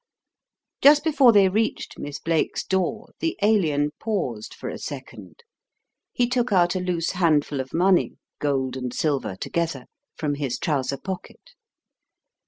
Just before they reached Miss Blake's door, the Alien paused for a second. He took out a loose handful of money, gold and silver together, from his trouser pocket.